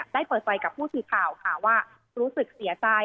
ได้เปิดใจกับผู้ถือข่าวว่ารู้สึกเสียใจ